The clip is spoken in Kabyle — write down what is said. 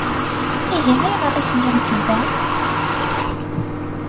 Ihi ayɣer i tellamt da?